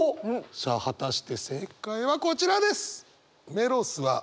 さあ果たして正解はこちらです！